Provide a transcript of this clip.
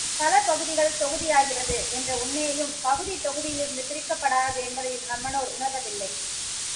பல பகுதிகள் தொகுதியாகிறது என்ற உண்மையையும் பகுதி, தொகுதியிலிருந்து பிரிக்கப்படாதது என்பதையும் நம்மனோர் உணர்வதில்லை.